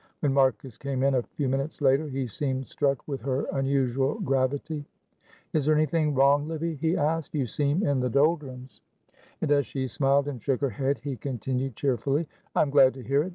When Marcus came in a few minutes later, he seemed struck with her unusual gravity. "Is there anything wrong, Livy?" he asked. "You seem in the doldrums." And as she smiled and shook her head, he continued cheerfully, "I am glad to hear it.